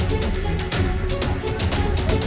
baik juga teman teman